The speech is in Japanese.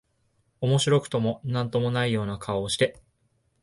面白くも何とも無いような顔をして、